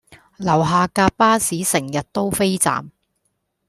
樓下架巴士成日都飛站